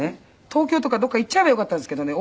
東京とかどこか行っちゃえばよかったんですけどね